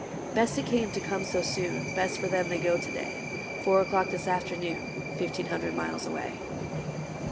Best it came to come so soon. Best for them they go to day : Four o'clock this afternoon, Fifteen hundred miles away.